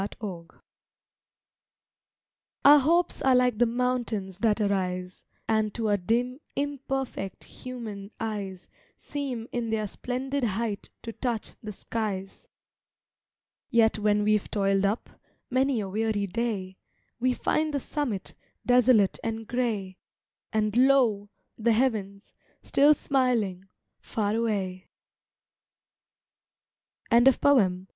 HOPES Our hopes are like the mountains that arise, And to our dim, imperfect, human eyes Seem in their splendid height to touch the skies. Yet when we've toiled up, many a weary day, We find the summit, desolate and grey, And lo! the Heavens, still smiling, far away. A MEMORY Ah, dear!